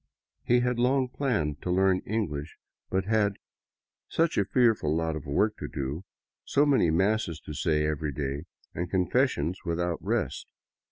He had long planned to learn English, but had '' such a fearful lot of work to do, so many masses to say every day and con fessions without rest."